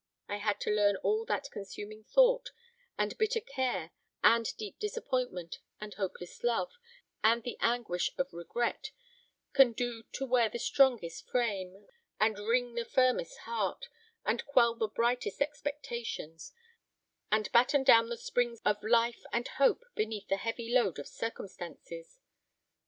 I had to learn all that consuming thought, and bitter care, and deep disappointment, and hopeless love, and the anguish of regret, can do to wear the strongest frame, and wring the firmest heart, and quell the brightest expectations, and batten down the springs of life and hope beneath the heavy load of circumstances."